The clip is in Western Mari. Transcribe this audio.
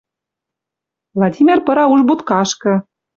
Владимир пыра уж будкашкы.